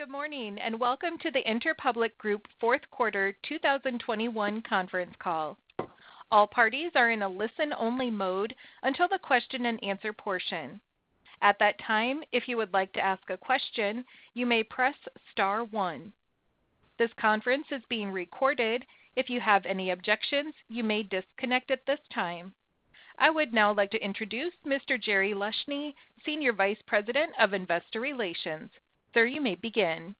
Good morning, and welcome to the Interpublic Group fourth quarter 2021 conference call. All parties are in a listen-only mode until the question-and-answer portion. At that time, if you would like to ask a question, you may Press Star one. This conference is being recorded. If you have any objections, you may disconnect at this time. I would now like to introduce Mr. Jerry Leshne, Senior Vice President of Investor Relations. Sir, you may begin.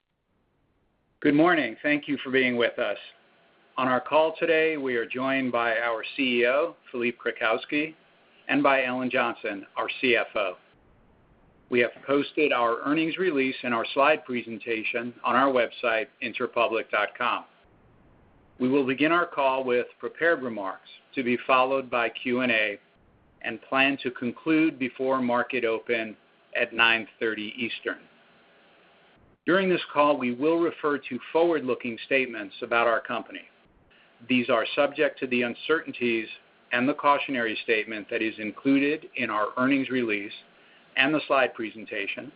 Good morning. Thank you for being with us. On our call today, we are joined by our CEO, Philippe Krakowsky, and by Ellen Johnson, our CFO. We have posted our earnings release and our slide presentation on our website, interpublic.com. We will begin our call with prepared remarks to be followed by Q&A and plan to conclude before market open at 9:30 A.M. eastern. During this call, we will refer to forward-looking statements about our company. These are subject to the uncertainties and the cautionary statement that is included in our earnings release and the slide presentation,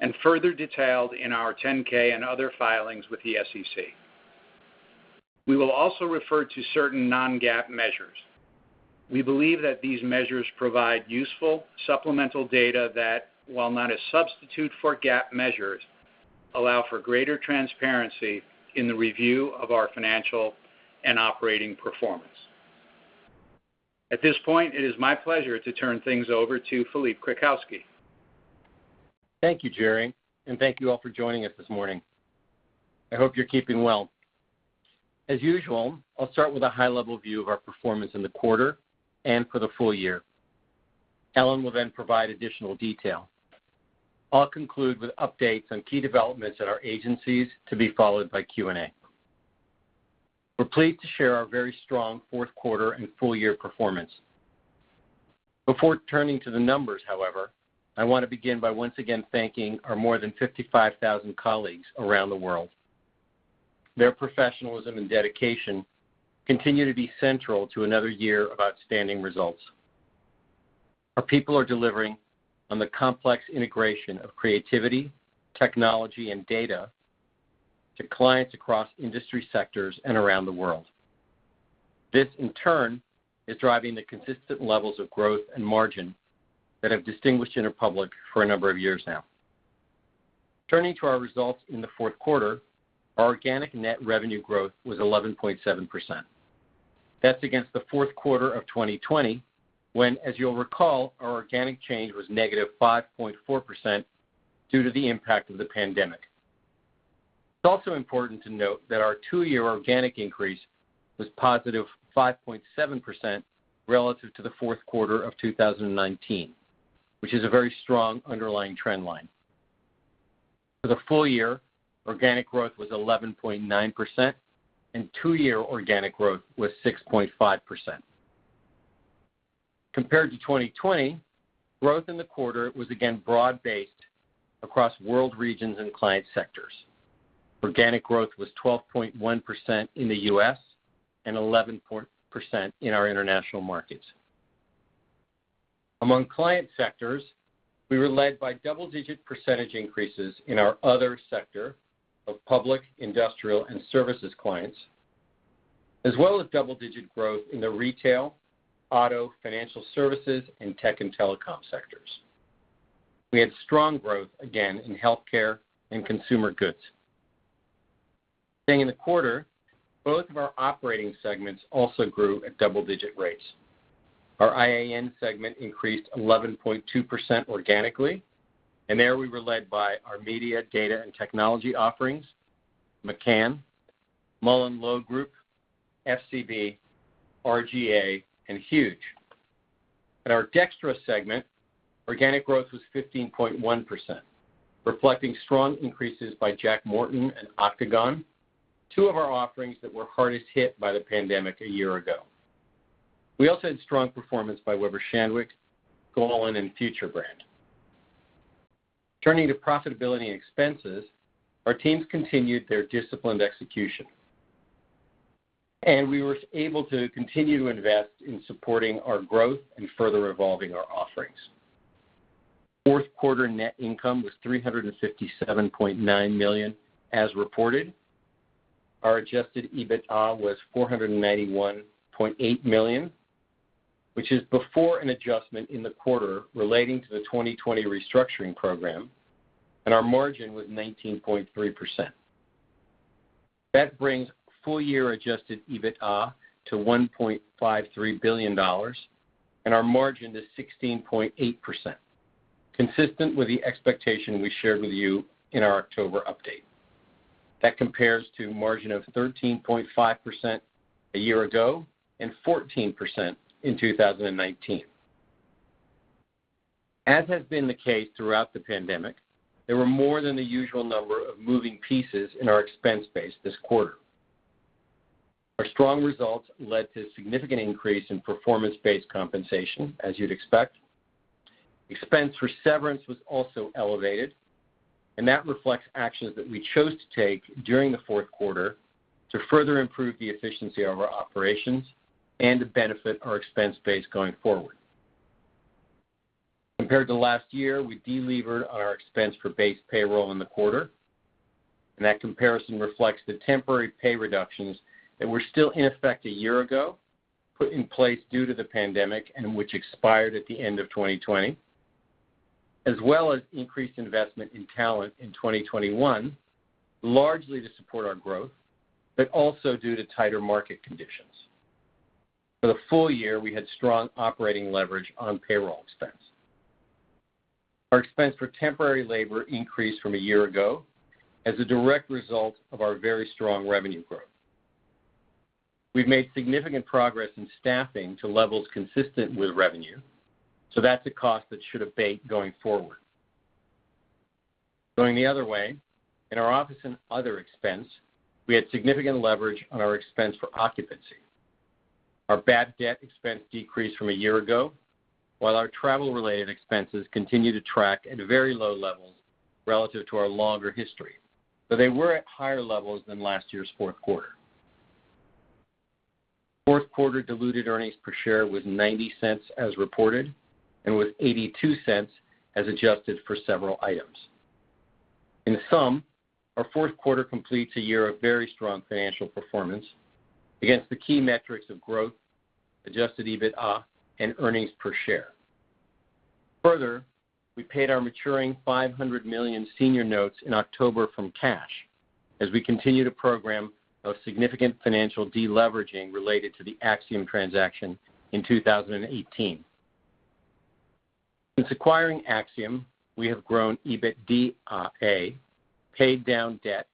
and further detailed in our 10-K and other filings with the SEC. We will also refer to certain non-GAAP measures. We believe that these measures provide useful supplemental data that, while not a substitute for GAAP measures, allow for greater transparency in the review of our financial and operating performance. At this point, it is my pleasure to turn things over to Philippe Krakowsky. Thank you, Jerry, and thank you all for joining us this morning. I hope you're keeping well. As usual, I'll start with a high-level view of our performance in the quarter and for the full year. Ellen will then provide additional detail. I'll conclude with updates on key developments at our agencies to be followed by Q&A. We're pleased to share our very strong fourth quarter and full year performance. Before turning to the numbers, however, I want to begin by once again thanking our more than 55,000 colleagues around the world. Their professionalism and dedication continue to be central to another year of outstanding results. Our people are delivering on the complex integration of creativity, technology, and data to clients across industry sectors and around the world. This, in turn, is driving the consistent levels of growth and margin that have distinguished Interpublic for a number of years now. Turning to our results in the fourth quarter, our organic net revenue growth was 11.7%. That's against the fourth quarter of 2020 when, as you'll recall, our organic change was -5.4% due to the impact of the pandemic. It's also important to note that our two-year organic increase was +5.7% relative to the fourth quarter of 2019, which is a very strong underlying trend line. For the full year, organic growth was 11.9% and two-year organic growth was 6.5%. Compared to 2020, growth in the quarter was again broad-based across world regions and client sectors. Organic growth was 12.1% in the U.S. and 11% in our international markets. Among client sectors, we were led by double-digit % increases in our other sector of public, industrial, and services clients, as well as double-digit growth in the retail, auto, financial services, and tech and telecom sectors. We had strong growth again in healthcare and consumer goods. Staying in the quarter, both of our operating segments also grew at double-digit rates. Our IAN segment increased 11.2% organically, and there we were led by our media, data, and technology offerings, McCann, MullenLowe Group, FCB, R/GA, and Huge. At our DXTRA segment, organic growth was 15.1%, reflecting strong increases by Jack Morton and Octagon, two of our offerings that were hardest hit by the pandemic a year ago. We also had strong performance by Weber Shandwick, Golin, and FutureBrand. Turning to profitability and expenses, our teams continued their disciplined execution, and we were able to continue to invest in supporting our growth and further evolving our offerings. Fourth quarter net income was $357.9 million as reported. Our adjusted EBITDA was $491.8 million, which is before an adjustment in the quarter relating to the 2020 restructuring program, and our margin was 19.3%. That brings full-year adjusted EBITDA to $1.53 billion and our margin to 16.8%, consistent with the expectation we shared with you in our October update. That compares to a margin of 13.5% a year ago and 14% in 2019. As has been the case throughout the pandemic, there were more than the usual number of moving pieces in our expense base this quarter. Our strong results led to a significant increase in performance-based compensation, as you'd expect. Expense for severance was also elevated, and that reflects actions that we chose to take during the fourth quarter to further improve the efficiency of our operations and to benefit our expense base going forward. Compared to last year, we delevered our expense for base payroll in the quarter, and that comparison reflects the temporary pay reductions that were still in effect a year ago, put in place due to the pandemic and which expired at the end of 2020, as well as increased investment in talent in 2021, largely to support our growth, but also due to tighter market conditions. For the full year, we had strong operating leverage on payroll expense. Our expense for temporary labor increased from a year ago as a direct result of our very strong revenue growth. We've made significant progress in staffing to levels consistent with revenue, so that's a cost that should abate going forward. Going the other way, in our office and other expense, we had significant leverage on our expense for occupancy. Our bad debt expense decreased from a year ago, while our travel-related expenses continue to track at very low levels relative to our longer history, though they were at higher levels than last year's fourth quarter. Fourth quarter diluted earnings per share was $0.90 as reported, and was $0.82 as adjusted for several items. In sum, our fourth quarter completes a year of very strong financial performance against the key metrics of growth, adjusted EBITDA, and earnings per share. Further, we paid our maturing $500 million senior notes in October from cash as we continue to pursue a significant financial deleveraging related to the Acxiom transaction in 2018. Since acquiring Acxiom, we have grown EBITDA, paid down debt,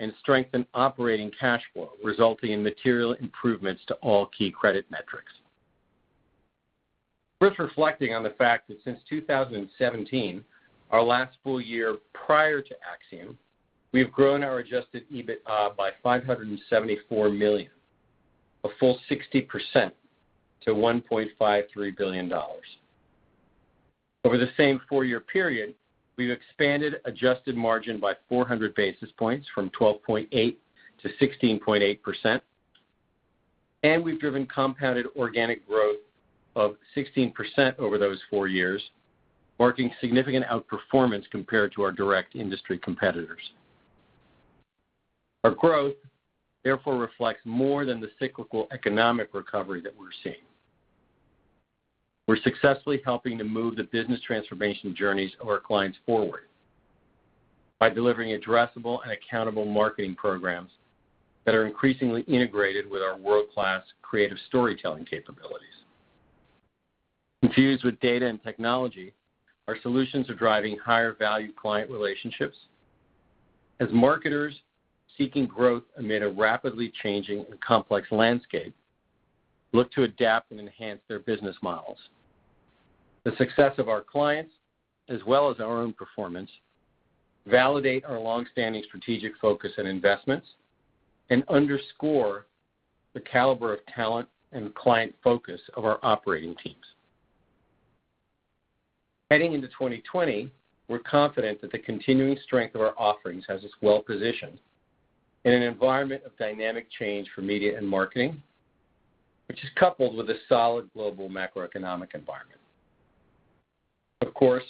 and strengthened operating cash flow, resulting in material improvements to all key credit metrics. First, reflecting on the fact that since 2017, our last full year prior to Acxiom, we've grown our adjusted EBITDA by $574 million, a full 60% to $1.53 billion. Over the same four-year period, we've expanded adjusted margin by 400 basis points from 12.8% to 16.8%, and we've driven compounded organic growth of 16% over those four years, marking significant outperformance compared to our direct industry competitors. Our growth therefore reflects more than the cyclical economic recovery that we're seeing. We're successfully helping to move the business transformation journeys of our clients forward by delivering addressable and accountable marketing programs that are increasingly integrated with our world-class creative storytelling capabilities. Infused with data and technology, our solutions are driving higher value client relationships as marketers seeking growth amid a rapidly changing and complex landscape look to adapt and enhance their business models. The success of our clients, as well as our own performance, validate our long-standing strategic focus and investments and underscore the caliber of talent and client focus of our operating teams. Heading into 2020, we're confident that the continuing strength of our offerings has us well-positioned in an environment of dynamic change for media and marketing, which is coupled with a solid global macroeconomic environment. Of course,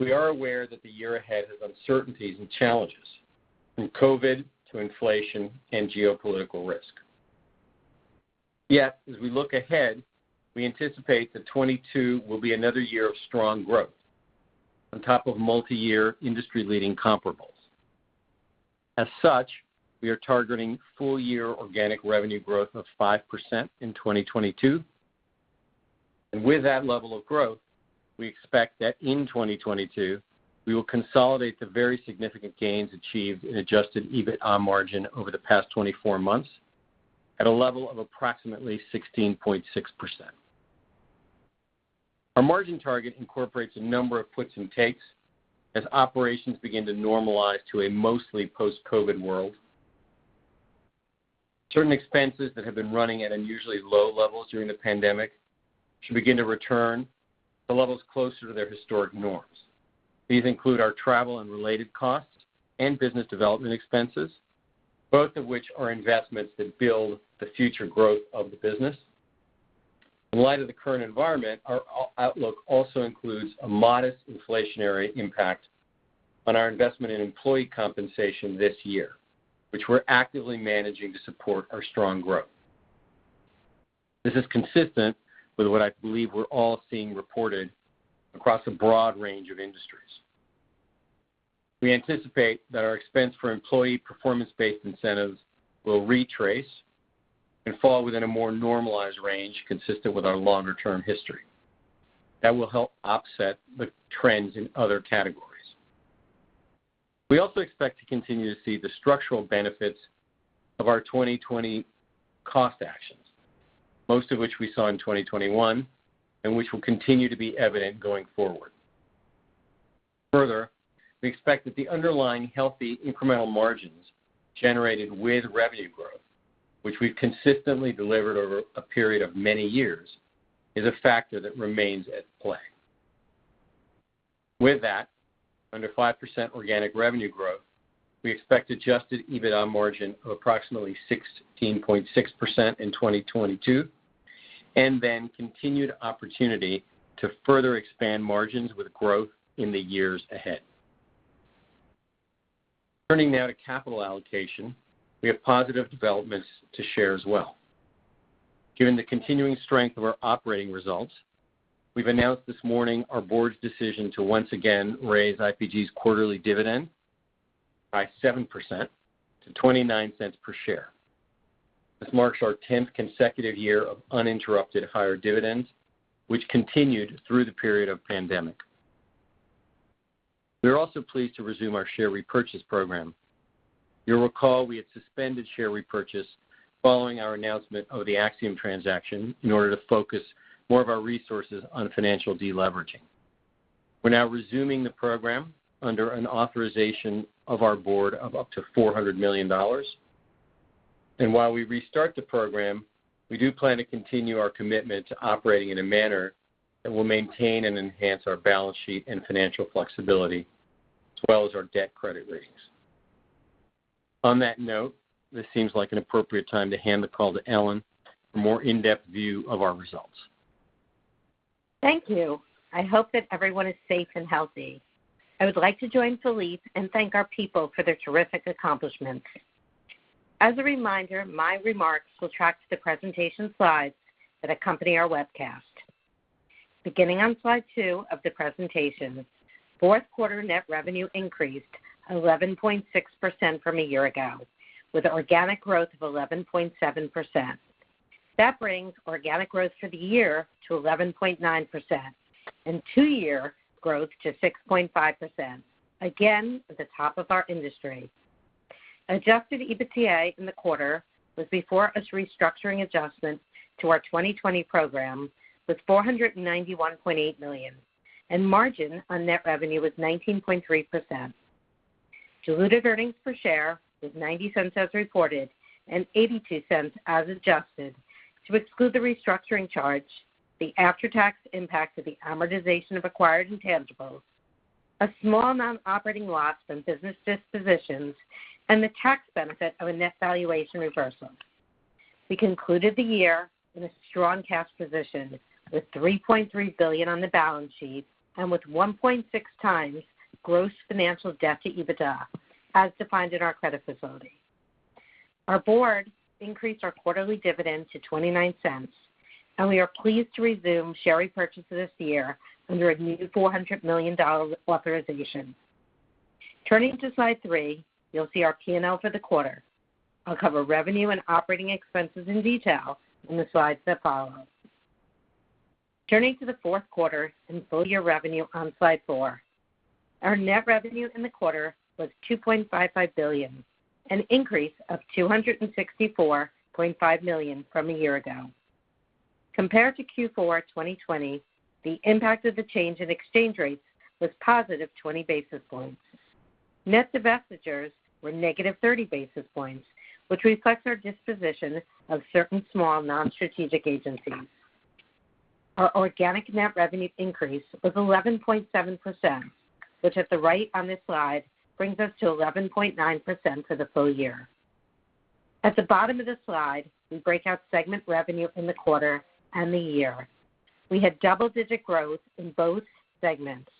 we are aware that the year ahead has uncertainties and challenges, from COVID to inflation and geopolitical risk. Yet, as we look ahead, we anticipate that 2022 will be another year of strong growth on top of multi-year industry-leading comparables. As such, we are targeting full-year organic revenue growth of 5% in 2022. With that level of growth, we expect that in 2022 we will consolidate the very significant gains achieved in adjusted EBITDA margin over the past 24 months at a level of approximately 16.6%. Our margin target incorporates a number of puts and takes as operations begin to normalize to a mostly post-COVID world. Certain expenses that have been running at unusually low levels during the pandemic should begin to return to levels closer to their historic norms. These include our travel and related costs and business development expenses, both of which are investments that build the future growth of the business. In light of the current environment, our outlook also includes a modest inflationary impact on our investment in employee compensation this year, which we're actively managing to support our strong growth. This is consistent with what I believe we're all seeing reported across a broad range of industries. We anticipate that our expense for employee performance-based incentives will retrace and fall within a more normalized range consistent with our longer-term history. That will help offset the trends in other categories. We also expect to continue to see the structural benefits of our 2020 cost actions, most of which we saw in 2021 and which will continue to be evident going forward. Further, we expect that the underlying healthy incremental margins generated with revenue growth, which we've consistently delevered over a period of many years, is a factor that remains at play. With that, under 5% organic revenue growth, we expect adjusted EBITDA margin of approximately 16.6% in 2022, and then continued opportunity to further expand margins with growth in the years ahead. Turning now to capital allocation, we have positive developments to share as well. Given the continuing strength of our operating results, we've announced this morning our board's decision to once again raise IPG's quarterly dividend by 7% to $0.29 per share. This marks our 10th consecutive year of uninterrupted higher dividends, which continued through the period of pandemic. We are also pleased to resume our share repurchase program. You'll recall we had suspended share repurchase following our announcement of the Acxiom transaction in order to focus more of our resources on financial deleveraging. We're now resuming the program under an authorization of our board of up to $400 million. While we restart the program, we do plan to continue our commitment to operating in a manner that will maintain and enhance our balance sheet and financial flexibility, as well as our debt credit ratings. On that note, this seems like an appropriate time to hand the call to Ellen for a more in-depth view of our results. Thank you. I hope that everyone is safe and healthy. I would like to join Philippe and thank our people for their terrific accomplishments. As a reminder, my remarks will track to the presentation slides that accompany our webcast. Beginning on Slide 2 of the presentation, fourth quarter net revenue increased 11.6% from a year ago, with organic growth of 11.7%. That brings organic growth for the year to 11.9% and two-year growth to 6.5%. Again, at the top of our industry. Adjusted EBITDA in the quarter was before a restructuring adjustment to our 2020 program with $491.8 million, and margin on net revenue was 19.3%. Diluted EPS was $0.90 as reported and $0.82 as adjusted to exclude the restructuring charge, the after-tax impact of the amortization of acquired intangibles, a small non-operating loss from business dispositions, and the tax benefit of a net valuation reversal. We concluded the year in a strong cash position with $3.3 billion on the balance sheet and with 1.6x gross financial debt to EBITDA, as defined in our credit facility. Our board increased our quarterly dividend to $0.29, and we are pleased to resume share repurchase this year under a new $400 million authorization. Turning to Slide 3, you'll see our P&L for the quarter. I'll cover revenue and operating expenses in detail in the slides that follow. Turning to the fourth quarter and full year revenue on Slide 4. Our net revenue in the quarter was $2.55 billion, an increase of $264.5 million from a year ago. Compared to Q4 2020, the impact of the change in exchange rates was positive 20 basis points. Net divestitures were negative 30 basis points, which reflects our disposition of certain small non-strategic agencies. Our organic net revenue increase was 11.7%, which at the right on this slide brings us to 11.9% for the full year. At the bottom of the slide, we break out segment revenue in the quarter and the year. We had double-digit growth in both segments.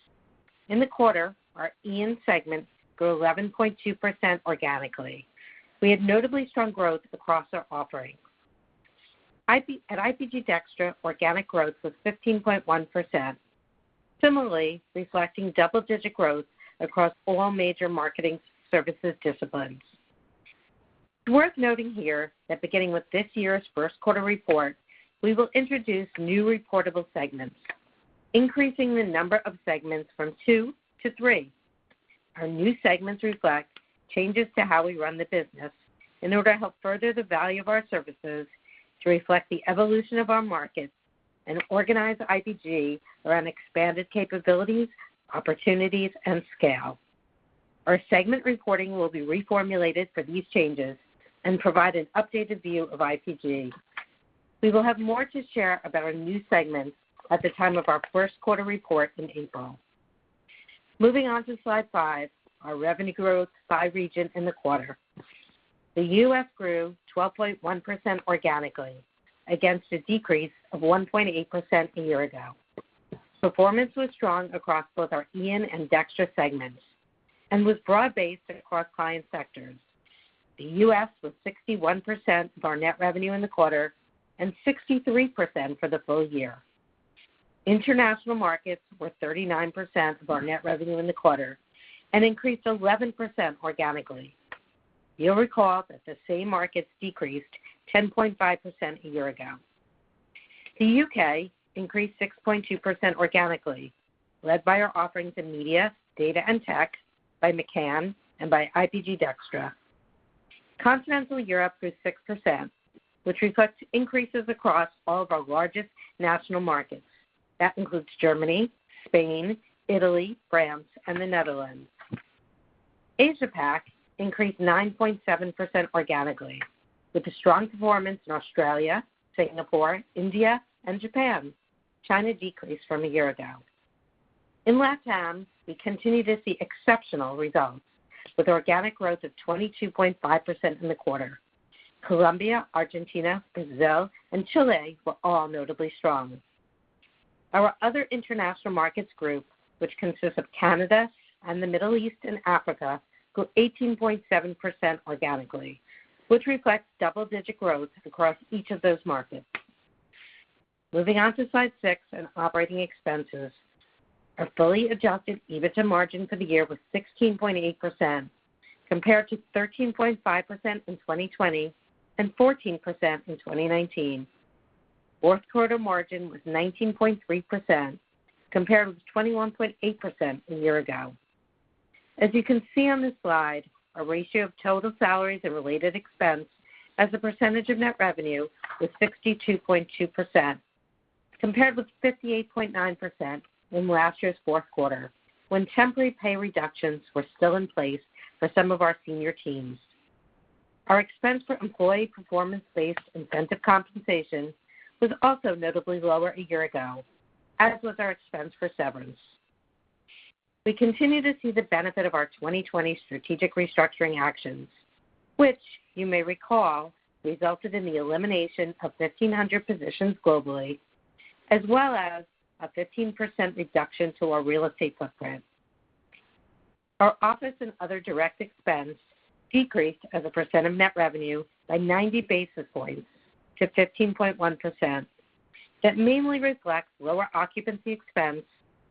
In the quarter, our IAN segment grew 11.2% organically. We had notably strong growth across our offerings. At IPG DXTRA, organic growth was 15.1%, similarly reflecting double-digit growth across all major marketing services disciplines. It's worth noting here that beginning with this year's first quarter report, we will introduce new reportable segments, increasing the number of segments from two - three. Our new segments reflect changes to how we run the business in order to help further the value of our services to reflect the evolution of our markets and organize IPG around expanded capabilities, opportunities, and scale. Our segment reporting will be reformulated for these changes and provide an updated view of IPG. We will have more to share about our new segments at the time of our first quarter report in April. Moving on to Slide 5, our revenue growth by region in the quarter. The U.S. grew 12.1% organically against a decrease of 1.8% a year ago. Performance was strong across both our IAN and DXTRA segments and was broad-based across client sectors. The U.S. was 61% of our net revenue in the quarter and 63% for the full year. International markets were 39% of our net revenue in the quarter and increased 11% organically. You'll recall that the same markets decreased 10.5% a year ago. The U.K. increased 6.2% organically, led by our offerings in media, data, and tech, by McCann, and by IPG DXTRA. Continental Europe grew 6%, which reflects increases across all of our largest national markets. That includes Germany, Spain, Italy, France, and the Netherlands. Asia Pac increased 9.7% organically, with a strong performance in Australia, Singapore, India, and Japan. China decreased from a year ago. In LatAm, we continue to see exceptional results with organic growth of 22.5% in the quarter. Colombia, Argentina, Brazil and Chile were all notably strong. Our other international markets group, which consists of Canada and the Middle East and Africa, grew 18.7% organically, which reflects double-digit growth across each of those markets. Moving on to Slide 6 on operating expenses. Our fully adjusted EBITDA margin for the year was 16.8% compared to 13.5% in 2020 and 14% in 2019. Fourth quarter margin was 19.3% compared with 21.8% a year ago. As you can see on this slide, our ratio of total salaries and related expense as a % of net revenue was 62.2%, compared with 58.9% in last year's fourth quarter, when temporary pay reductions were still in place for some of our senior teams. Our expense for employee performance-based incentive compensation was also notably lower a year ago, as was our expense for severance. We continue to see the benefit of our 2020 strategic restructuring actions, which you may recall, resulted in the elimination of 1,500 positions globally, as well as a 15% reduction to our real estate footprint. Our office and other direct expense decreased as a percent of net revenue by 90 basis points to 15.1%. That mainly reflects lower occupancy expense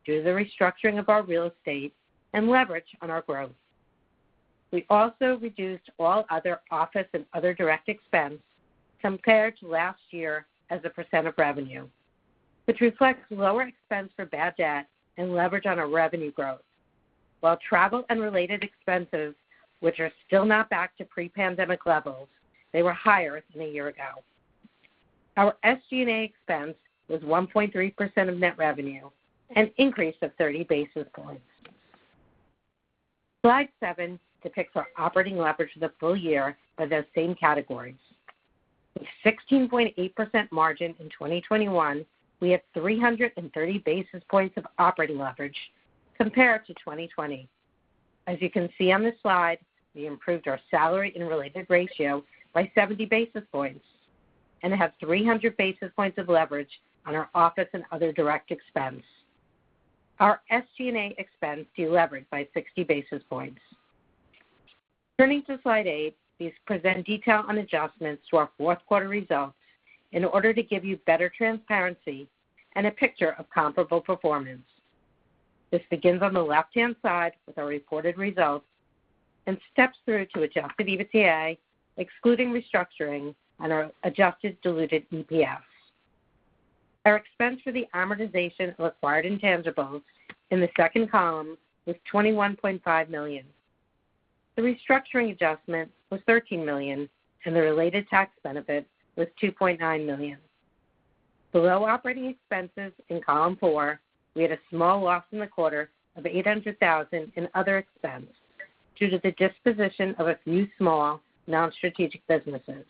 due to the restructuring of our real estate and leverage on our growth. We also reduced all other office and other direct expense compared to last year as a % of revenue, which reflects lower expense for bad debt and leverage on our revenue growth. While travel and related expenses, which are still not back to pre-pandemic levels, they were higher than a year ago. Our SG&A expense was 1.3% of net revenue, an increase of 30 basis points. Slide 7 depicts our operating leverage for the full year by those same categories. A 16.8% margin in 2021, we had 330 basis points of operating leverage compared to 2020. As you can see on this slide, we improved our salary and related ratio by 70 basis points and have 300 basis points of leverage on our office and other direct expense. Our SG&A expense deleveraged by 60 basis points. Turning to Slide 8, these present detail on adjustments to our fourth quarter results in order to give you better transparency and a picture of comparable performance. This begins on the left-hand side with our reported results and steps through to adjusted EBITDA, excluding restructuring on our adjusted diluted EPS. Our expense for the amortization of acquired intangibles in the second column was $21.5 million. The restructuring adjustment was $13 million, and the related tax benefit was $2.9 million. Below operating expenses in Column 4, we had a small loss in the quarter of $800,000 in other expense due to the disposition of a few small non-strategic businesses.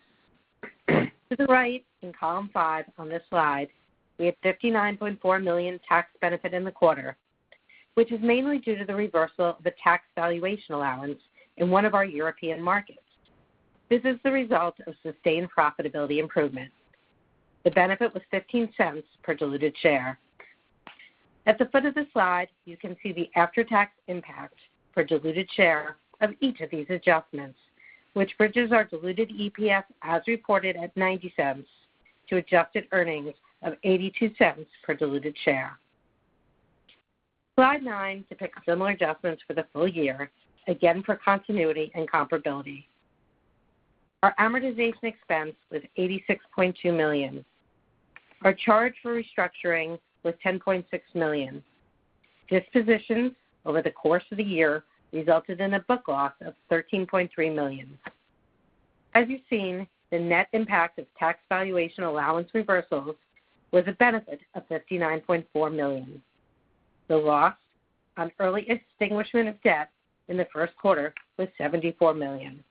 To the right in Column 5 on this slide, we have $59.4 million tax benefit in the quarter, which is mainly due to the reversal of the tax valuation allowance in one of our European markets. This is the result of sustained profitability improvement. The benefit was $0.15 per diluted share. At the foot of the slide, you can see the after-tax impact for diluted share of each of these adjustments, which bridges our diluted EPS as reported at $0.90 to adjusted earnings of $0.82 per diluted share. Slide 9 depicts similar adjustments for the full year, again for continuity and comparability. Our amortization expense was $86.2 million. Our charge for restructuring was $10.6 million. Dispositions over the course of the year resulted in a book loss of $13.3 million. As you've seen, the net impact of tax valuation allowance reversals was a benefit of $59.4 million. The loss on early extinguishment of debt in the first quarter was $74 million.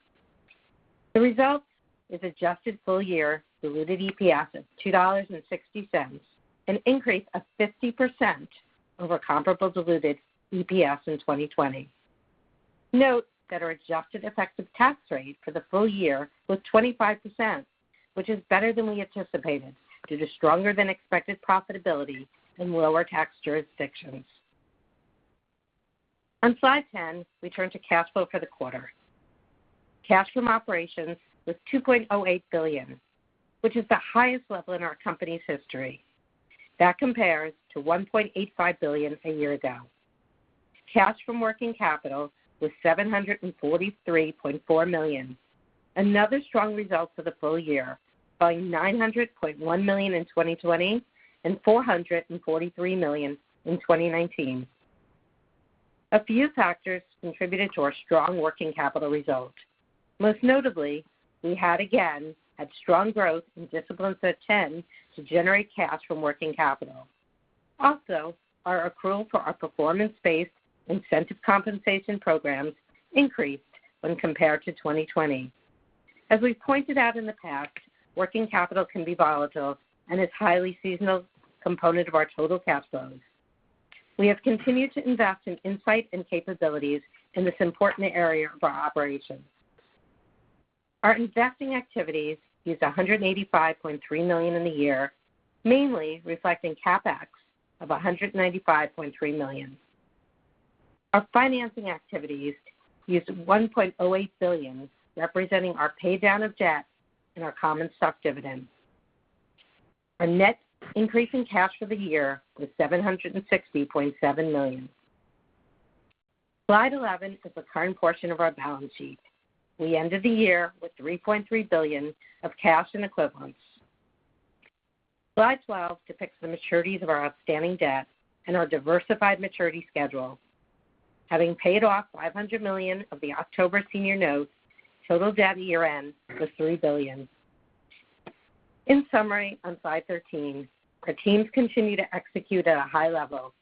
The result is adjusted full year diluted EPS of $2.60, an increase of 50% over comparable diluted EPS in 2020. Note that our adjusted effective tax rate for the full year was 25%, which is better than we anticipated due to stronger than expected profitability in lower tax jurisdictions. On Slide 10, we turn to cash flow for the quarter. Cash from operations was $2.08 billion, which is the highest level in our company's history. That compares to $1.85 billion a year ago. Cash from working capital was $743.4 million. Another strong result for the full year, following $901 million in 2020 and $443 million in 2019. A few factors contributed to our strong working capital result. Most notably, we had again strong growth and disciplines that tend to generate cash from working capital. Also, our accrual for our performance-based incentive compensation programs increased when compared to 2020. As we've pointed out in the past, working capital can be volatile and is highly seasonal component of our total cash flows. We have continued to invest in insight and capabilities in this important area of our operations. Our investing activities used $185.3 million in the year, mainly reflecting CapEx of $195.3 million. Our financing activities used $1.08 billion, representing our pay-down of debt and our common stock dividends. Our net increase in cash for the year was $760.7 million. Slide 11 is the current portion of our balance sheet. We ended the year with $3.3 billion of cash and equivalents. Slide 12 depicts the maturities of our outstanding debt and our diversified maturity schedule. Having paid off $500 million of the October senior notes, total debt year-end was $3 billion. In summary, on Slide 13, our teams continue to execute at a high level.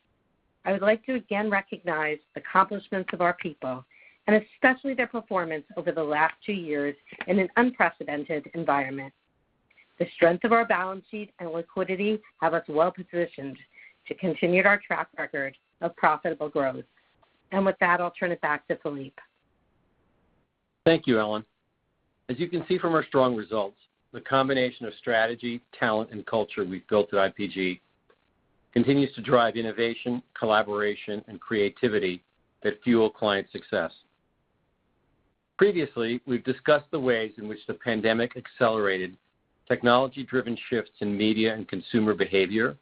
I would like to again recognize the accomplishments of our people, and especially their performance over the last two years in an unprecedented environment. The strength of our balance sheet and liquidity have us well-positioned to continue our track record of profitable growth. With that, I'll turn it back to Philippe. Thank you, Ellen. As you can see from our strong results, the combination of strategy, talent, and culture we've built at IPG continues to drive innovation, collaboration, and creativity that fuel client success. Previously, we've discussed the ways in which the pandemic accelerated technology-driven shifts in media and consumer behavior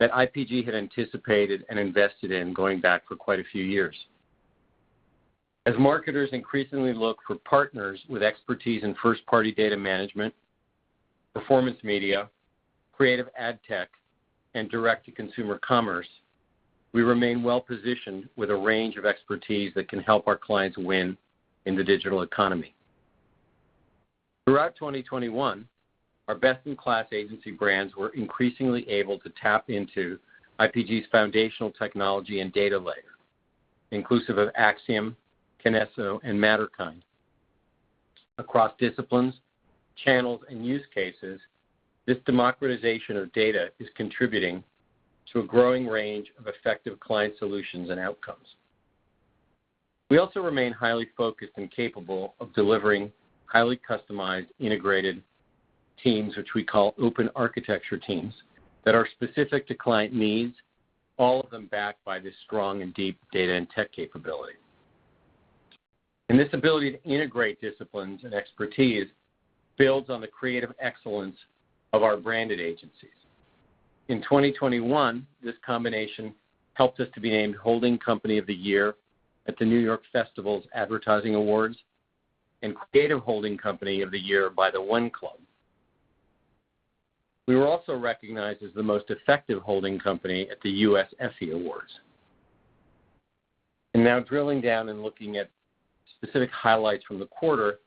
that IPG had anticipated and invested in going back for quite a few years. As marketers increasingly look for partners with expertise in first-party data management, performance media, creative ad tech, and direct-to-consumer commerce, we remain well-positioned with a range of expertise that can help our clients win in the digital economy. Throughout 2021, our best-in-class agency brands were increasingly able to tap into IPG's foundational technology and data layer, inclusive of Acxiom, Kinesso, and Matterkind. Across disciplines, channels, and use cases, this democratization of data is contributing to a growing range of effective client solutions and outcomes. We also remain highly focused and capable of delivering highly customized integrated teams, which we call Open Architecture teams, that are specific to client needs, all of them backed by the strong and deep data and tech capabilities. This ability to integrate disciplines and expertise builds on the creative excellence of our branded agencies. In 2021, this combination helped us to be named Holding Company of the Year at the New York Festivals Advertising Awards and Creative Holding Company of the Year by the One Club. We were also recognized as the most effective holding company at the U.S. Effie Awards. Now drilling down and looking at specific highlights from the quarter,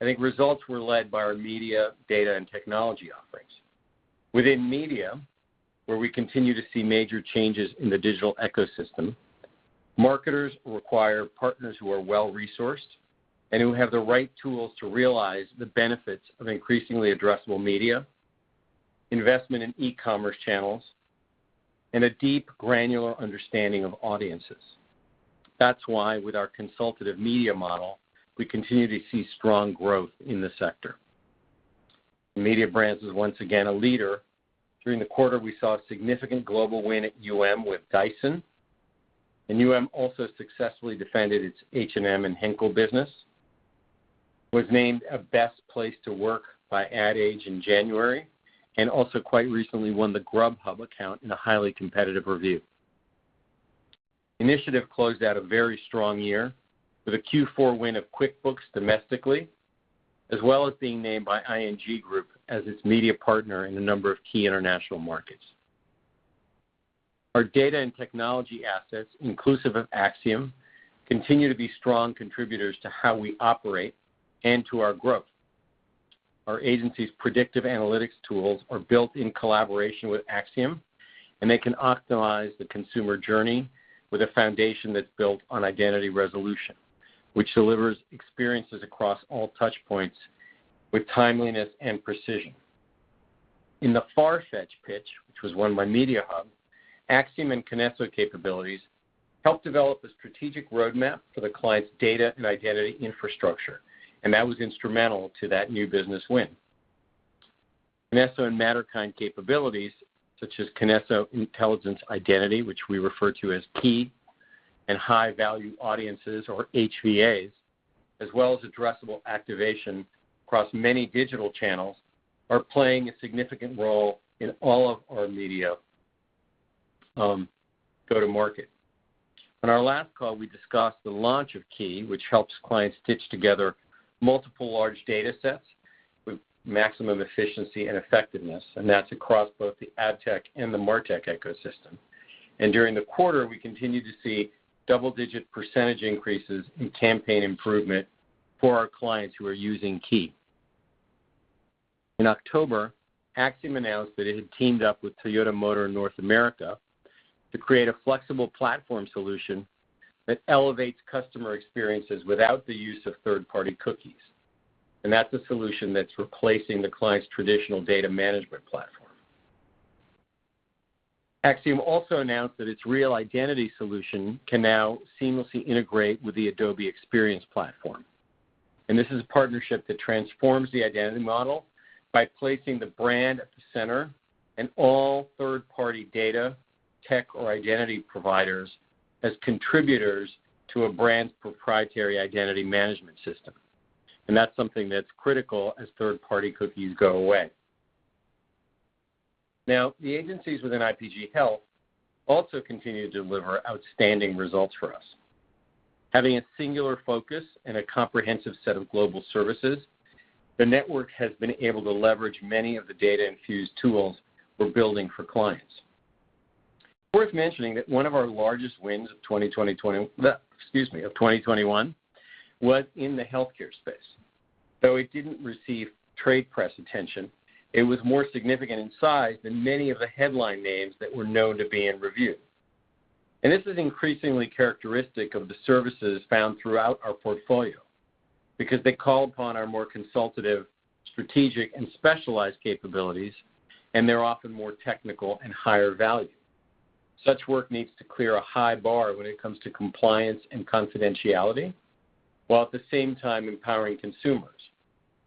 I think results were led by our media, data, and technology offerings. Within media, where we continue to see major changes in the digital ecosystem, marketers require partners who are well-resourced and who have the right tools to realize the benefits of increasingly addressable media, investment in e-commerce channels, and a deep granular understanding of audiences. That's why with our consultative media model, we continue to see strong growth in this sector. Mediabrands is once again a leader. During the quarter, we saw a significant global win at UM with Dyson, and UM also successfully defended its H&M and Henkel business, was named a best place to work by Ad Age in January, and also quite recently won the Grubhub account in a highly competitive review. Initiative closed out a very strong year with a Q4 win of QuickBooks domestically, as well as being named by ING Group as its media partner in a number of key international markets. Our data and technology assets, inclusive of Acxiom, continue to be strong contributors to how we operate and to our growth. Our agency's predictive analytics tools are built in collaboration with Acxiom, and they can optimize the consumer journey with a foundation that's built on identity resolution, which delivers experiences across all touch points with timeliness and precision. In the Farfetch pitch, which was won by Mediahub, Acxiom and Kinesso capabilities helped develop a strategic roadmap for the client's data and identity infrastructure, and that was instrumental to that new business win. Kinesso and Matterkind capabilities, such as Kinesso Intelligent Identity, which we refer to as KEY, and high-value audiences, or HVAs, as well as addressable activation across many digital channels, are playing a significant role in all of our media go-to-market. On our last call, we discussed the launch of KII, which helps clients stitch together multiple large data sets with maximum efficiency and effectiveness, and that's across both the ad tech and the martech ecosystem. During the quarter, we continued to see double-digit % increases in campaign improvement for our clients who are using KII. In October, Acxiom announced that it had teamed up with Toyota Motor North America to create a flexible platform solution that elevates customer experiences without the use of third-party cookies. That's a solution that's replacing the client's traditional data management platform. Acxiom also announced that its Real Identity solution can now seamlessly integrate with the Adobe Experience platform. This is a partnership that transforms the identity model by placing the brand at the center and all third-party data, tech, or identity providers as contributors to a brand's proprietary identity management system. That's something that's critical as third-party cookies go away. Now, the agencies within IPG Health also continue to deliver outstanding results for us. Having a singular focus and a comprehensive set of global services, the network has been able to leverage many of the data-infused tools we're building for clients. It's worth mentioning that one of our largest wins of 2021 was in the healthcare space. Though it didn't receive trade press attention, it was more significant in size than many of the headline names that were known to be in review. This is increasingly characteristic of the services found throughout our portfolio because they call upon our more consultative, strategic, and specialized capabilities, and they're often more technical and higher value. Such work needs to clear a high bar when it comes to compliance and confidentiality, while at the same time empowering consumers,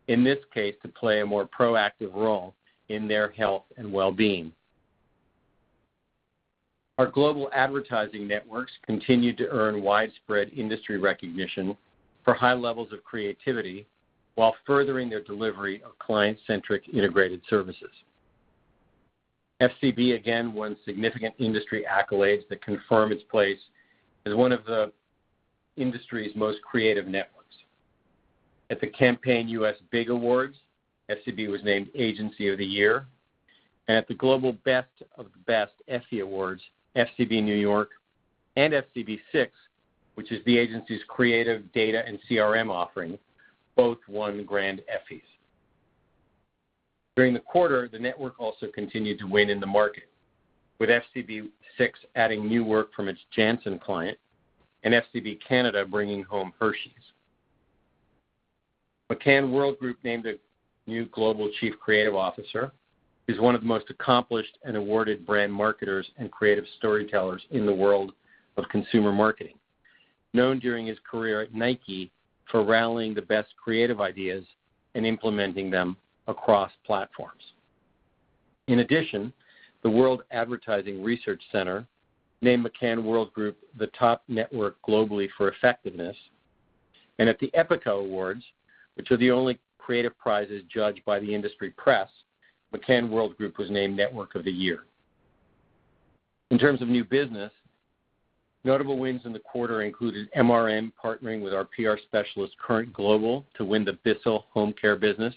in this case, to play a more proactive role in their health and well-being. Our global advertising networks continue to earn widespread industry recognition for high levels of creativity while furthering their delivery of client-centric integrated services. FCB again won significant industry accolades that confirm its place as one of the industry's most creative networks. At the Campaign US BIG Awards, FCB was named Agency of the Year. At the Global Best of the Best Effie Awards, FCB New York and FCB/SIX, which is the agency's creative data and CRM offering, both won Grand Effies. During the quarter, the network also continued to win in the market, with FCB/SIX adding new work from its Janssen client and FCB Canada bringing home Hershey's. McCann Worldgroup named a new Global Chief Creative Officer. He's one of the most accomplished and awarded brand marketers and creative storytellers in the world of consumer marketing, known during his career at Nike for rallying the best creative ideas and implementing them across platforms. In addition, the World Advertising Research Center named McCann Worldgroup the top network globally for effectiveness. At the Epica Awards, which are the only creative prizes judged by the industry press, McCann Worldgroup was named Network of the Year. In terms of new business, notable wins in the quarter included MRM partnering with our PR specialist Current Global to win the Bissell home care business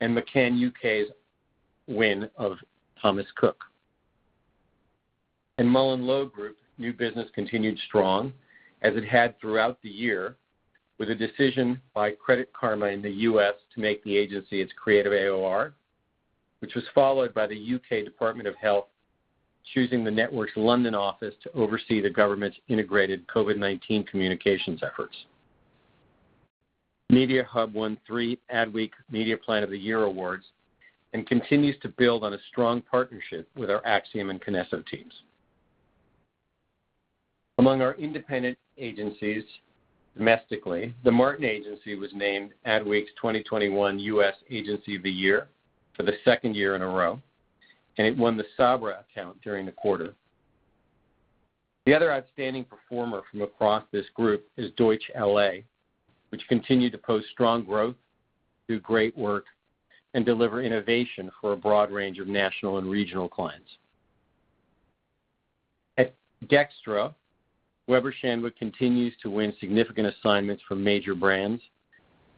and McCann UK's win of Thomas Cook. In MullenLowe Group, new business continued strong, as it had throughout the year, with a decision by Credit Karma in the U.S. to make the agency its creative AOR, which was followed by the UK Department of Health choosing the network's London office to oversee the government's integrated COVID-19 communications efforts. Mediahub won three Adweek Media Plan of the Year awards and continues to build on a strong partnership with our Acxiom and Kinesso teams. Among our independent agencies domestically, The Martin Agency was named Adweek's 2021 U.S. Agency of the Year for the second year in a row, and it won the Sabra account during the quarter. The other outstanding performer from across this group is Deutsch LA, which continued to post strong growth, do great work, and deliver innovation for a broad range of national and regional clients. At DXTRA, Weber Shandwick continues to win significant assignments from major brands,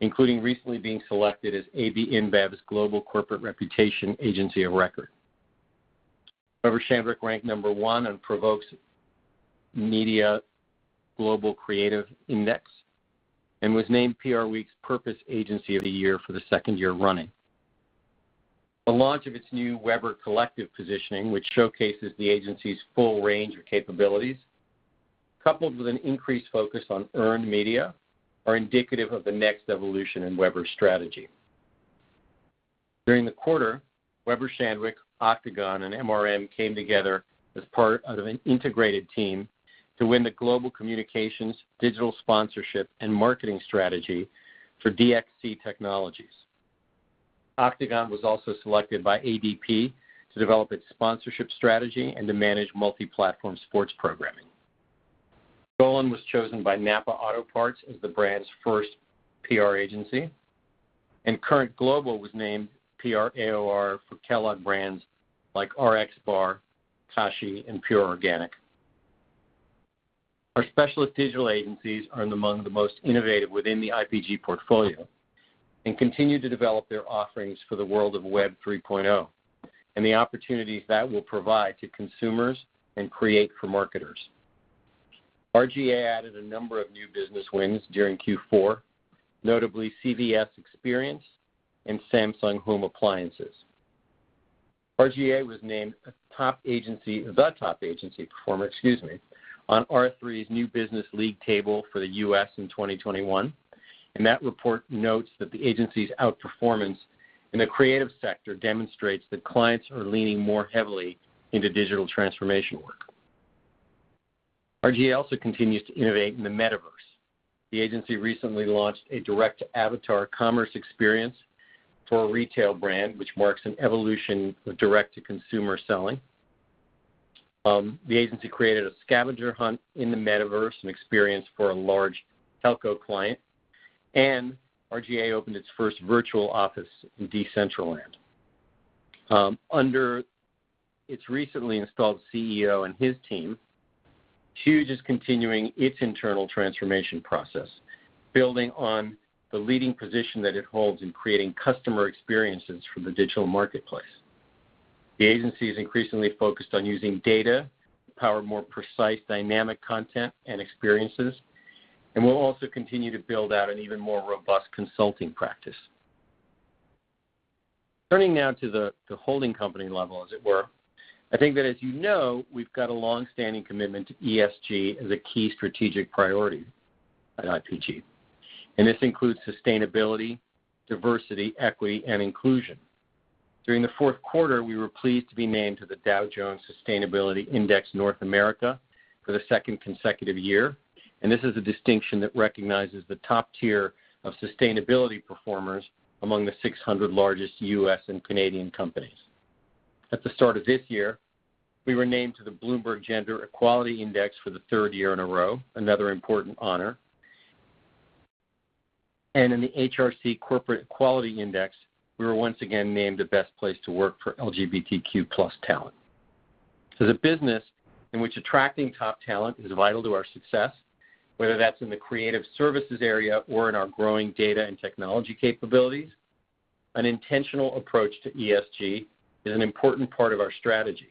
including recently being selected as AB InBev's global corporate reputation agency of record. Weber Shandwick ranked number one on PRovoke Media Global Creative Index and was named PRWeek's Purpose Agency of the Year for the second year running. The launch of its new Weber Collective positioning, which showcases the agency's full range of capabilities, coupled with an increased focus on earned media, are indicative of the next evolution in Weber's strategy. During the quarter, Weber Shandwick, Octagon, and MRM came together as part of an integrated team to win the global communications, digital sponsorship, and marketing strategy for DXC Technology. Octagon was also selected by ADP to develop its sponsorship strategy and to manage multi-platform sports programming. Golin was chosen by NAPA Auto Parts as the brand's first PR agency, and Current Global was named PR AOR for Kellogg brands like RxBar, Kashi, and Pure Organic. Our specialist digital agencies earn among the most innovative within the IPG portfolio and continue to develop their offerings for the world of Web 3.0 and the opportunities that will provide to consumers and create for marketers. R/GA added a number of new business wins during Q4, notably CVS Experience and Samsung Home Appliances. R/GA was named the top agency performer, excuse me, on R3's new business league table for the U.S. in 2021, and that report notes that the agency's outperformance in the creative sector demonstrates that clients are leaning more heavily into digital transformation work. R/GA also continues to innovate in the metaverse. The agency recently launched a direct avatar commerce experience for a retail brand which marks an evolution of direct-to-consumer selling. The agency created a scavenger hunt in the metaverse, an experience for a large telco client, and R/GA opened its first virtual office in Decentraland. Under its recently installed CEO and his team, Huge is continuing its internal transformation process, building on the leading position that it holds in creating customer experiences for the digital marketplace. The agency is increasingly focused on using data to power more precise dynamic content and experiences and will also continue to build out an even more robust consulting practice. Turning now to the holding company level, as it were. I think that, as you know, we've got a long-standing commitment to ESG as a key strategic priority at IPG, and this includes sustainability, diversity, equity, and inclusion. During the fourth quarter, we were pleased to be named to the Dow Jones Sustainability North America Index for the second consecutive year, and this is a distinction that recognizes the top tier of sustainability performers among the 600 largest U.S. and Canadian companies. At the start of this year, we were named to the Bloomberg Gender-Equality Index for the third year in a row, another important honor. In the HRC Corporate Equality Index, we were once again named the best place to work for LGBTQ+ talent. The business in which attracting top talent is vital to our success, whether that's in the creative services area or in our growing data and technology capabilities. An intentional approach to ESG is an important part of our strategy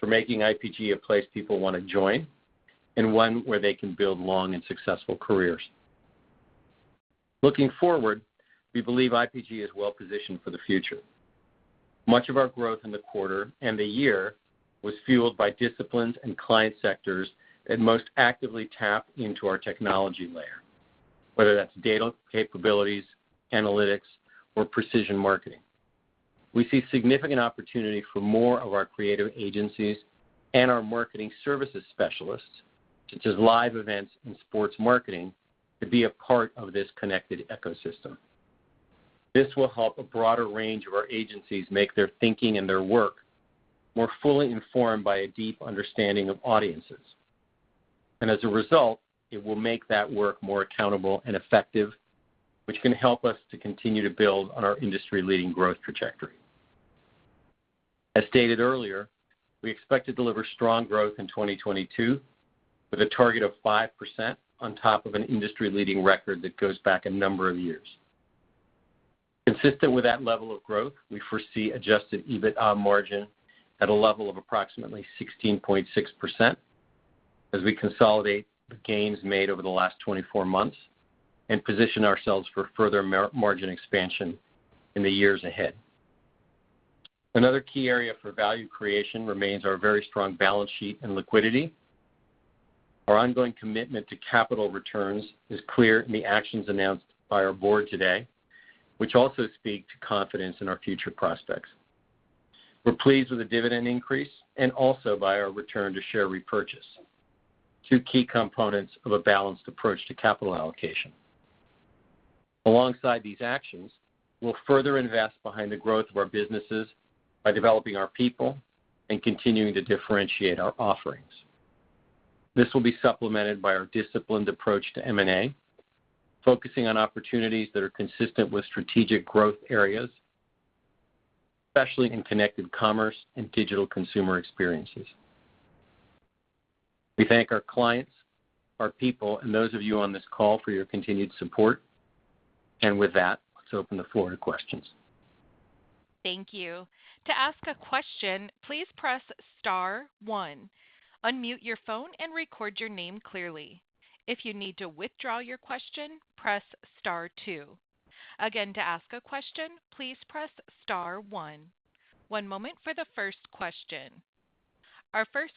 for making IPG a place people wanna join and one where they can build long and successful careers. Looking forward, we believe IPG is well-positioned for the future. Much of our growth in the quarter and the year was fueled by disciplines and client sectors that most actively tap into our technology layer, whether that's data capabilities, analytics, or precision marketing. We see significant opportunity for more of our creative agencies and our marketing services specialists, such as live events and sports marketing, to be a part of this connected ecosystem. This will help a broader range of our agencies make their thinking and their work more fully informed by a deep understanding of audiences. As a result, it will make that work more accountable and effective, which can help us to continue to build on our industry-leading growth trajectory. As stated earlier, we expect to deliver strong growth in 2022 with a target of 5% on top of an industry-leading record that goes back a number of years. Consistent with that level of growth, we foresee adjusted EBITA margin at a level of approximately 16.6% as we consolidate the gains made over the last 24 months and position ourselves for further margin expansion in the years ahead. Another key area for value creation remains our very strong balance sheet and liquidity. Our ongoing commitment to capital returns is clear in the actions announced by our board today, which also speak to confidence in our future prospects. We're pleased with the dividend increase and also by our return to share repurchase, two key components of a balanced approach to capital allocation. Alongside these actions, we'll further invest behind the growth of our businesses by developing our people and continuing to differentiate our offerings. This will be supplemented by our disciplined approach to M&A, focusing on opportunities that are consistent with strategic growth areas, especially in connected commerce and digital consumer experiences. We thank our clients, our people, and those of you on this call for your continued support. With that, let's open the floor to questions. Our first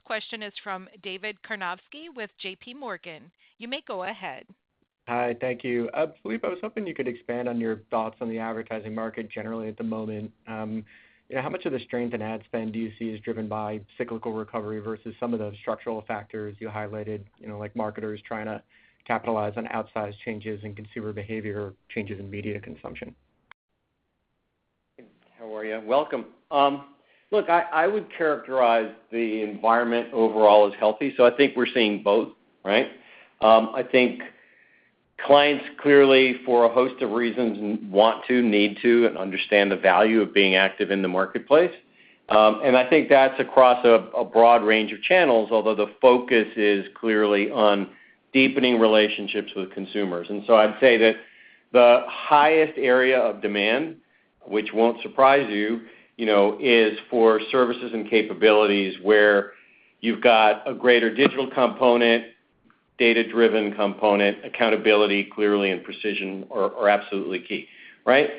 question is from David Karnovsky with J.P. Morgan. You may go ahead. Hi. Thank you. Philippe, I was hoping you could expand on your thoughts on the advertising market generally at the moment. You know, how much of the strength in ad spend do you see is driven by cyclical recovery versus some of those structural factors you highlighted, you know, like marketers trying to capitalize on outsized changes in consumer behavior, changes in media consumption? How are you? Welcome. Look, I would characterize the environment overall as healthy, so I think we're seeing both, right? I think clients clearly, for a host of reasons, want to, need to, and understand the value of being active in the marketplace. I think that's across a broad range of channels, although the focus is clearly on deepening relationships with consumers. I'd say that the highest area of demand Which won't surprise you know, is for services and capabilities where you've got a greater digital component, data-driven component, accountability clearly and precision are absolutely key, right?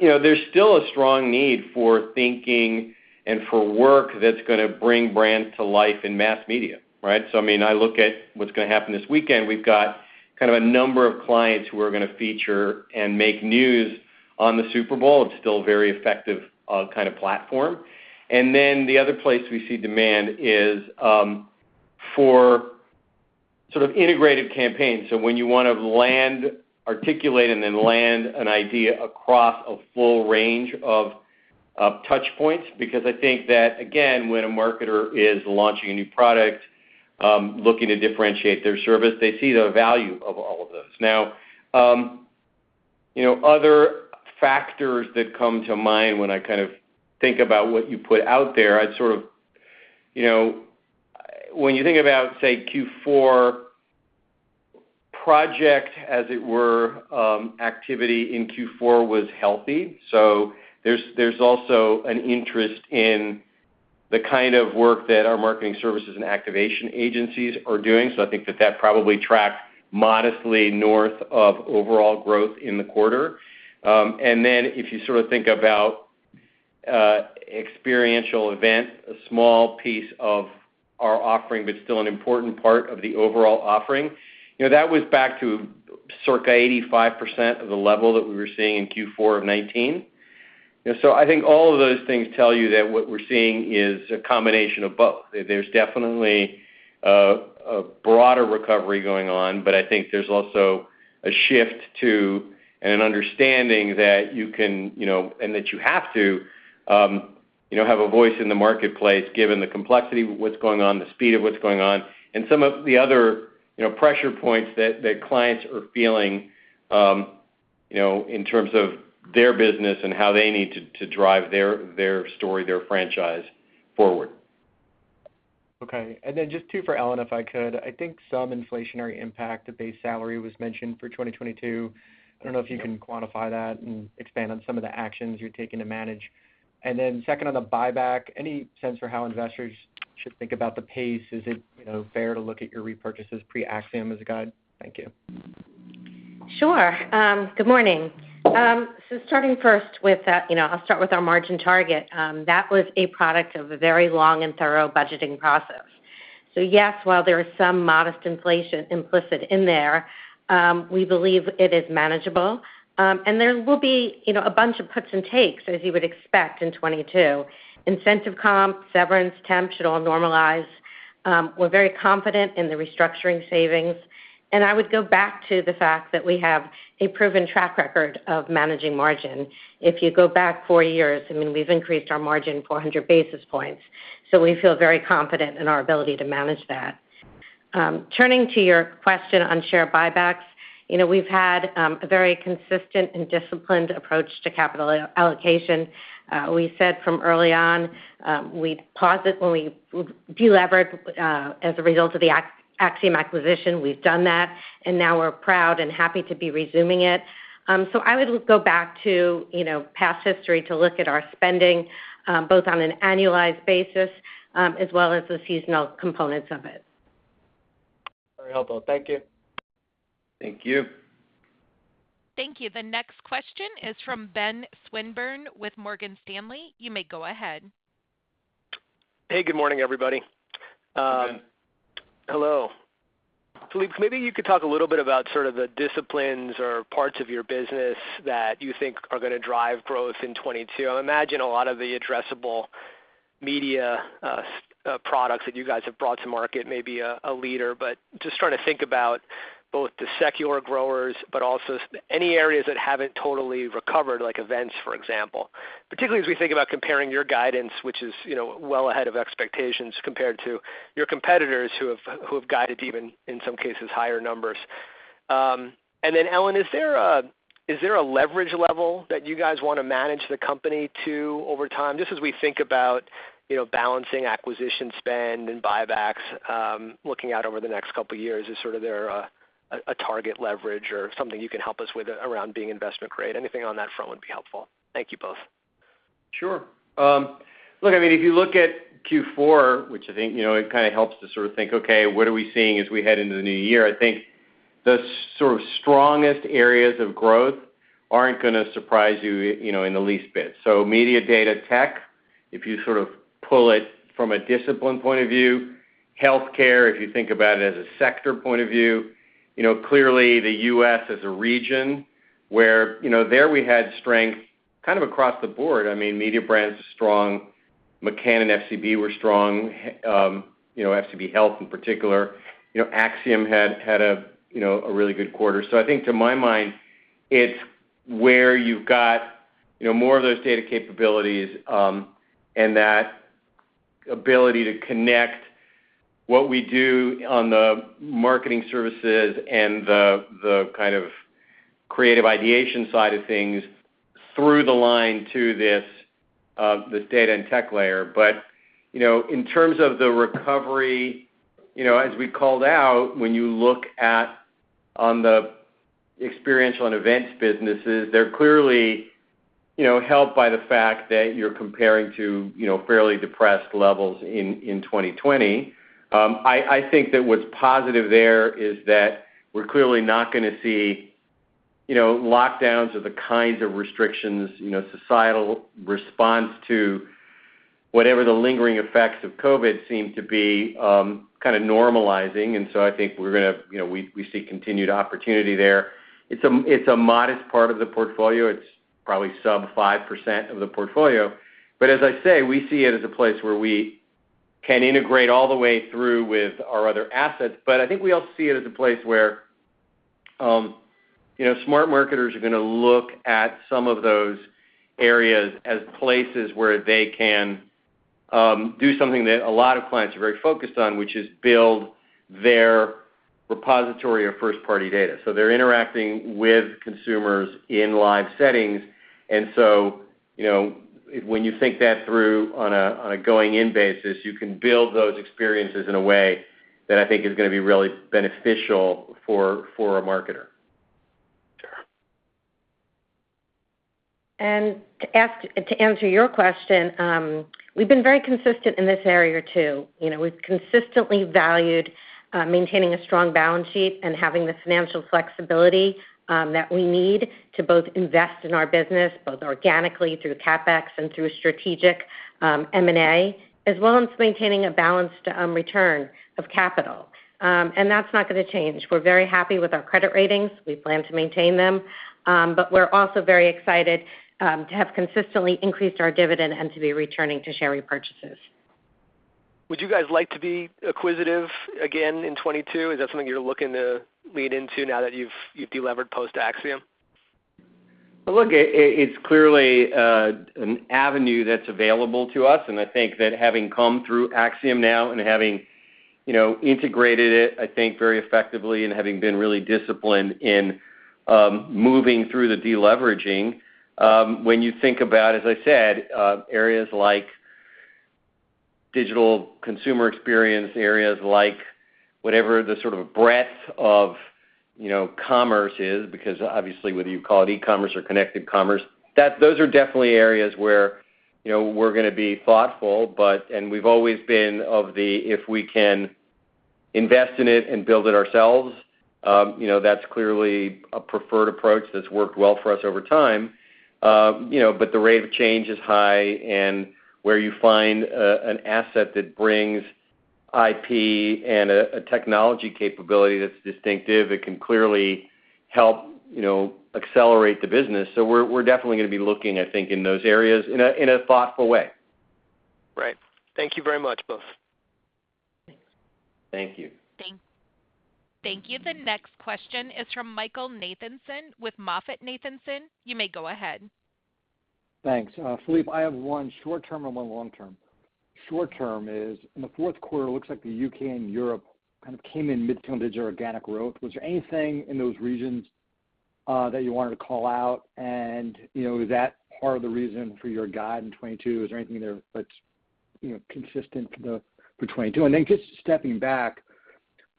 You know, there's still a strong need for thinking and for work that's gonna bring brands to life in mass media, right? I mean, I look at what's gonna happen this weekend. We've got kind of a number of clients who are gonna feature and make news on the Super Bowl. It's still a very effective kind of platform. Then the other place we see demand is for sort of integrated campaigns. When you want to articulate and then land an idea across a full range of touchpoints, because I think that, again, when a marketer is launching a new product, looking to differentiate their service, they see the value of all of those. Now, you know, other factors that come to mind when I kind of think about what you put out there, I'd sort of you know, when you think about, say, Q4 project, as it were, activity in Q4 was healthy. There's also an interest in the kind of work that our marketing services and activation agencies are doing. I think that probably tracks modestly north of overall growth in the quarter. If you sort of think about experiential events, a small piece of our offering, but still an important part of the overall offering, you know, that was back to circa 85% of the level that we were seeing in Q4 of 2019. You know, I think all of those things tell you that what we're seeing is a combination of both. There's definitely a broader recovery going on, but I think there's also a shift to and an understanding that you can, you know, and that you have to, you know, have a voice in the marketplace, given the complexity of what's going on, the speed of what's going on, and some of the other, you know, pressure points that clients are feeling, you know, in terms of their business and how they need to drive their story, their franchise forward. Okay. Just two for Ellen, if I could. I think some inflationary impact to base salary was mentioned for 2022. I don't know if you can quantify that and expand on some of the actions you're taking to manage. Second on the buyback, any sense for how investors should think about the pace? Is it, you know, fair to look at your repurchases pre-Acxiom as a guide? Thank you. Sure. Good morning. Starting first with, you know, I'll start with our margin target. That was a product of a very long and thorough budgeting process. Yes, while there is some modest inflation implicit in there, we believe it is manageable. There will be, you know, a bunch of puts and takes, as you would expect in 2022. Incentive comp, severance, temp should all normalize. We're very confident in the restructuring savings. I would go back to the fact that we have a proven track record of managing margin. If you go back four years, I mean, we've increased our margin 400 basis points. We feel very confident in our ability to manage that. Turning to your question on share buybacks, you know, we've had a very consistent and disciplined approach to capital allocation. We said from early on, we'd pause it when we'd deliver as a result of the Acxiom acquisition. We've done that, and now we're proud and happy to be resuming it. I would go back to, you know, past history to look at our spending, both on an annualized basis as well as the seasonal components of it. Very helpful. Thank you. Thank you. Thank you. The next question is from Ben Swinburne with Morgan Stanley. You may go ahead. Hey, good morning, everybody. Hey, Ben. Hello. Philippe, maybe you could talk a little bit about sort of the disciplines or parts of your business that you think are gonna drive growth in 2022. I imagine a lot of the addressable media products that you guys have brought to market may be a leader, but just trying to think about both the secular growers, but also any areas that haven't totally recovered, like events, for example. Particularly as we think about comparing your guidance, which is, you know, well ahead of expectations compared to your competitors who have guided even, in some cases, higher numbers. And then Ellen, is there a leverage level that you guys wanna manage the company to over time? Just as we think about, you know, balancing acquisition spend and buybacks, looking out over the next couple years. Is there sort of a target leverage or something you can help us with around being investment grade? Anything on that front would be helpful. Thank you both. Sure. Look, I mean, if you look at Q4, which I think, you know, it kind of helps to sort of think, okay, what are we seeing as we head into the new year? I think the sort of strongest areas of growth aren't gonna surprise you know, in the least bit. Media data tech, if you sort of pull it from a discipline point of view, healthcare, if you think about it as a sector point of view, you know, clearly the U.S. as a region where, you know, there we had strength kind of across the board. I mean, IPG Mediabrands is strong. McCann and FCB were strong, you know, FCB Health in particular. You know, Acxiom had a, you know, a really good quarter. I think to my mind, it's where you've got, you know, more of those data capabilities, and that ability to connect what we do on the marketing services and the kind of creative ideation side of things through the line to this data and tech layer. In terms of the recovery, you know, as we called out, when you look at, on the experiential and events businesses, they're clearly, you know, helped by the fact that you're comparing to, you know, fairly depressed levels in 2020. I think that what's positive there is that we're clearly not gonna see, you know, lockdowns or the kinds of restrictions, you know, societal response to whatever the lingering effects of COVID seem to be, kind of normalizing. I think we're gonna, you know, we see continued opportunity there. It's a modest part of the portfolio. It's probably sub-5% of the portfolio. As I say, we see it as a place where we can integrate all the way through with our other assets. I think we also see it as a place where, you know, smart marketers are gonna look at some of those areas as places where they can do something that a lot of clients are very focused on, which is build their repository of first-party data. They're interacting with consumers in live settings. You know, when you think that through on a going-in basis, you can build those experiences in a way that I think is gonna be really beneficial for a marketer. To answer your question, we've been very consistent in this area too. You know, we've consistently valued maintaining a strong balance sheet and having the financial flexibility that we need to both invest in our business, both organically through CapEx and through strategic M&A, as well as maintaining a balanced return of capital. That's not gonna change. We're very happy with our credit ratings. We plan to maintain them, but we're also very excited to have consistently increased our dividend and to be returning to share repurchases. Would you guys like to be acquisitive again in 2022? Is that something you're looking to lead into now that you've delevered post-Acxiom? Look, it's clearly an avenue that's available to us, and I think that having come through Acxiom now and having, you know, integrated it, I think, very effectively and having been really disciplined in moving through the deleveraging, when you think about, as I said, areas like digital consumer experience, areas like whatever the sort of breadth of, you know, commerce is, because obviously, whether you call it e-commerce or connected commerce, those are definitely areas where, you know, we're gonna be thoughtful, but we've always been of the, if we can invest in it and build it ourselves, you know, that's clearly a preferred approach that's worked well for us over time. You know, the rate of change is high, and where you find an asset that brings IP and a technology capability that's distinctive, it can clearly help, you know, accelerate the business. We're definitely gonna be looking, I think, in those areas in a thoughtful way. Right. Thank you very much, both. Thanks. Thank you. Thank- Thank you. The next question is from Michael Nathanson with MoffettNathanson. You may go ahead. Thanks. Philippe, I have one short term and one long term. Short term is, in the fourth quarter, it looks like the U.K. and Europe kind of came in mid-teens digital organic growth. Was there anything in those regions that you wanted to call out? You know, is that part of the reason for your guide in 2022? Is there anything there that's, you know, consistent for 2022? Then just stepping back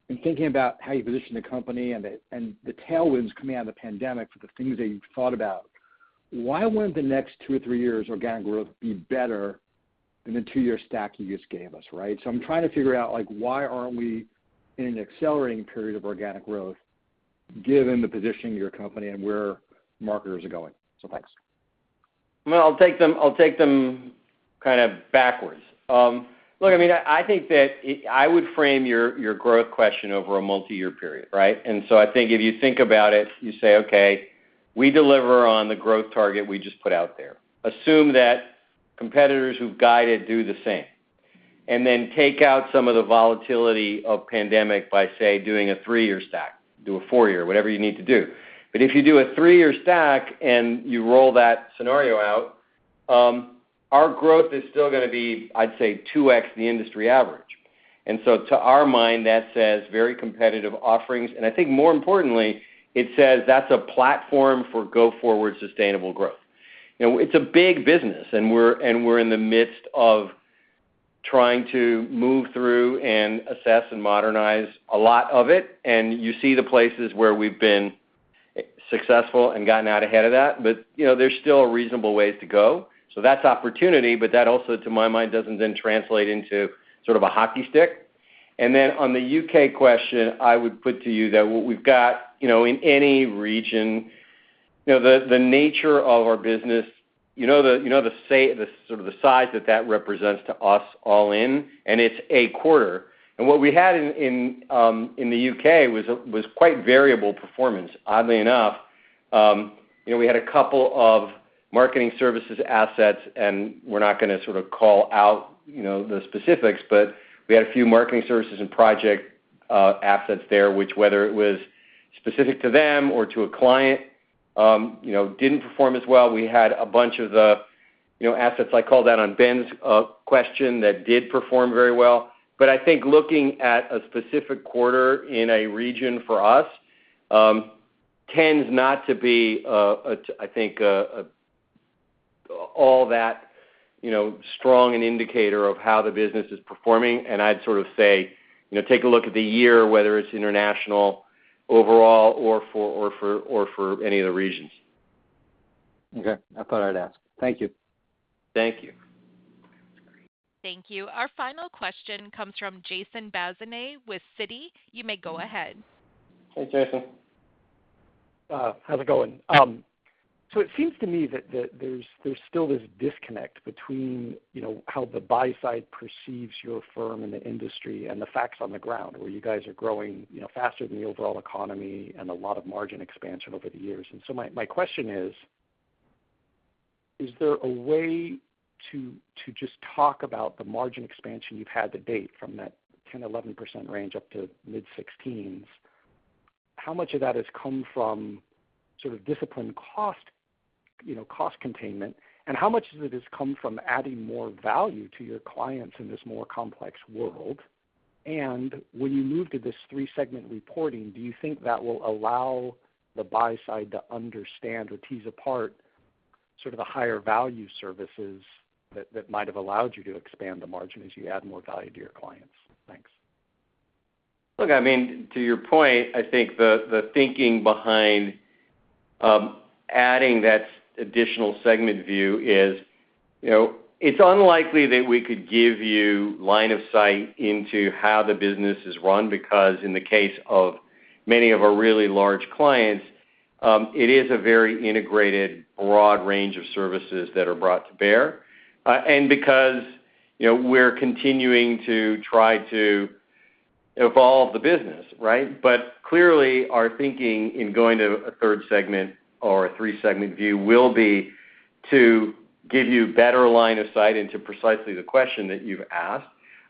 and thinking about how you position the company and the tailwinds coming out of the pandemic for the things that you thought about, why wouldn't the next two or three years organic growth be better than the two-year stack you just gave us, right? I'm trying to figure out, like, why aren't we in an accelerating period of organic growth given the position of your company and where marketers are going. Thanks. Well, I'll take them kind of backwards. Look, I mean, I think that I would frame your growth question over a multi-year period, right? I think if you think about it, you say, okay, we deliver on the growth target we just put out there. Assume that competitors who've guided do the same, and then take out some of the volatility of the pandemic by, say, doing a three-year stack, do a four-year, whatever you need to do. If you do a three-year stack and you roll that scenario out, our growth is still gonna be, I'd say, 2x the industry average. To our mind, that says very competitive offerings. I think more importantly, it says that's a platform for go-forward sustainable growth. You know, it's a big business, and we're in the midst of trying to move through and assess and modernize a lot of it. You see the places where we've been successful and gotten out ahead of that. You know, there's still reasonable ways to go. That's opportunity, but that also, to my mind, doesn't then translate into sort of a hockey stick. On the U.K. question, I would put to you that what we've got, you know, in any region, you know, the nature of our business, you know the sort of the size that that represents to us all in, and it's a quarter. What we had in the U.K. was quite variable performance, oddly enough. You know, we had a couple of marketing services assets, and we're not gonna sort of call out, you know, the specifics, but we had a few marketing services and project assets there, which whether it was specific to them or to a client, you know, didn't perform as well. We had a bunch of the, you know, assets I called out on Ben's question that did perform very well. But I think looking at a specific quarter in a region for us tends not to be a, I think, all that, you know, strong an indicator of how the business is performing, and I'd sort of say, you know, take a look at the year, whether it's international overall or for any of the regions. Okay. I thought I'd ask. Thank you. Thank you. Thank you. Our final question comes from Jason Bazinet with Citi. You may go ahead. Hey, Jason. How's it going? So it seems to me that there's still this disconnect between, you know, how the buy side perceives your firm and the industry and the facts on the ground, where you guys are growing, you know, faster than the overall economy and a lot of margin expansion over the years. My question is there a way to just talk about the margin expansion you've had to date from that 10%-11% range up to mid-16s%? How much of that has come from sort of disciplined cost, you know, cost containment, and how much of it has come from adding more value to your clients in this more complex world? When you move to this three-segment reporting, do you think that will allow the buy side to understand or tease apart sort of the higher value services that might have allowed you to expand the margin as you add more value to your clients? Thanks. Look, I mean, to your point, I think the thinking behind adding that additional segment view is, you know, it's unlikely that we could give you line of sight into how the business is run because in the case of many of our really large clients, it is a very integrated, broad range of services that are brought to bear, and because, you know, we're continuing to try to evolve the business, right? Clearly, our thinking in going to a third segment or a three-segment view will be to give you better line of sight into precisely the question that you've asked.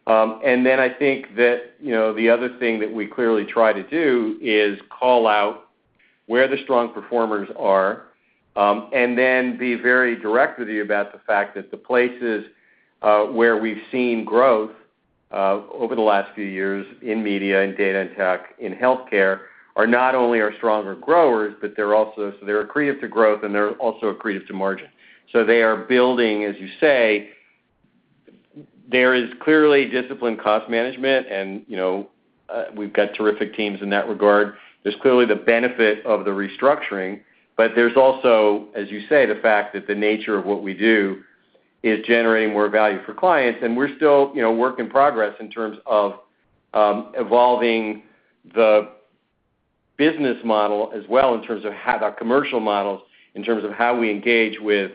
I think that, you know, the other thing that we clearly try to do is call out where the strong performers are, and then be very direct with you about the fact that the places where we've seen growth over the last few years in media and data and tech, in healthcare, are not only our stronger growers, but they're also accretive to growth, and they're also accretive to margin. They are building, as you say. There is clearly disciplined cost management and, you know, we've got terrific teams in that regard. There's clearly the benefit of the restructuring, but there's also, as you say, the fact that the nature of what we do is generating more value for clients, and we're still, you know, work in progress in terms of evolving the business model as well in terms of how our commercial models, in terms of how we engage with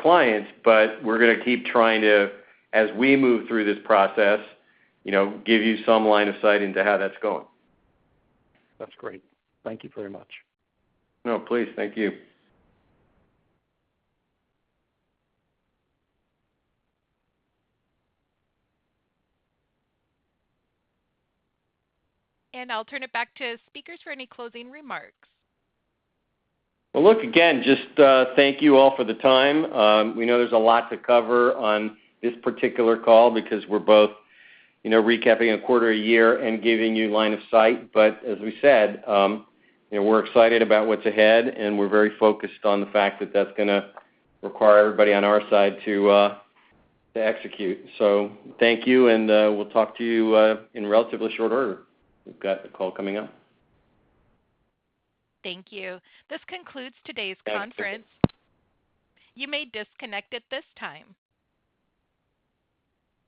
clients, but we're gonna keep trying to, as we move through this process, you know, give you some line of sight into how that's going. That's great. Thank you very much. No, please. Thank you. I'll turn it back to speakers for any closing remarks. Well, look, again, just, thank you all for the time. We know there's a lot to cover on this particular call because we're both, you know, recapping a quarter a year and giving you line of sight. As we said, you know, we're excited about what's ahead, and we're very focused on the fact that that's gonna require everybody on our side to execute. Thank you, and we'll talk to you in relatively short order. We've got a call coming up. Thank you. This concludes today's conference. You may disconnect at this time.